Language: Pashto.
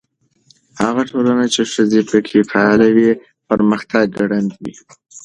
هغه ټولنه چې ښځې پکې فعالې وي، پرمختګ ګړندی وي.